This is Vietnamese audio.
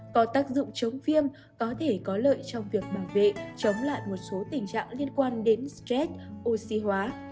có tác dụng chống viêm có thể có lợi trong việc bảo vệ chống lại một số tiềm mạch